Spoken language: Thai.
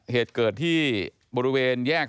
เหตุเกิดที่บริเวณแยก